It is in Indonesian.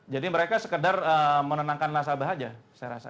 jadi mereka sekedar menenangkan nasabah saja saya rasa